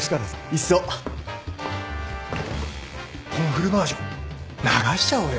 いっそこのフルバージョン流しちゃおうよ